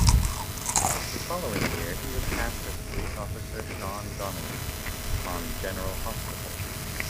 The following year, he was cast as police officer Sean Donely on "General Hospital".